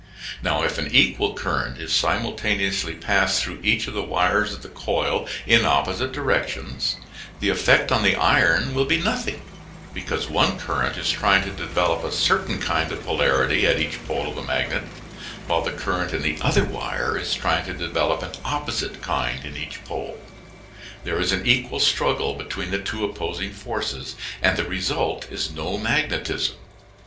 Now if an equal current is simultaneously passed through each of the wires of the coil in opposite directions the effect on the iron will be nothing, because one current is trying to develop a certain kind of polarity at each pole of the magnet, while the current in the other wire is trying to develop an opposite kind in each pole. There is an equal struggle between the two opposing forces, and the result is no magnetism.